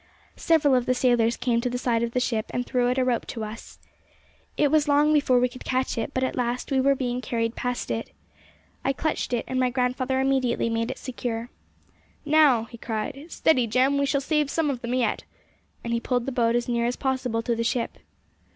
Several of the sailors came to the side of the ship, and threw out a rope to us. It was long before we could catch it, but at last, as we were being carried past it, I clutched it, and my grandfather immediately made it secure. 'Now!' he cried. 'Steady, Jem! we shall save some of them yet!' and he pulled the boat as near as possible to the ship.